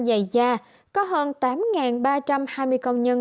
dài da có hơn tám ba trăm hai mươi công nhân